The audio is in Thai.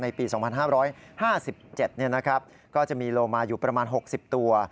ปี๒๕๕๗ก็จะมีโลมาอยู่ประมาณ๖๐ตัว